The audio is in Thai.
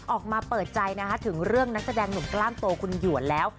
ออกมาเปิดใจนะคะถึงเรื่องนักแสดงหนุ่มกล้ามโตคุณหยวนแล้ว